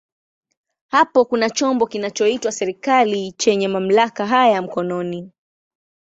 Hapo kuna chombo kinachoitwa serikali chenye mamlaka haya mkononi.